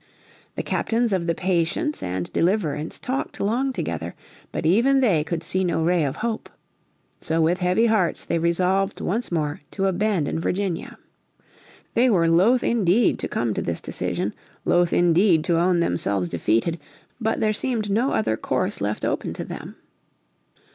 The Captains of the Patience and Deliverance talked long together, but even they could see no ray of hope. So with heavy hearts they resolved once more to abandon Virginia. They were loath indeed to come to this decision, loath indeed to own themselves defeated. But there seemed no other course left open to them.